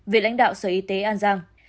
vị lãnh đạo sở y tế an giang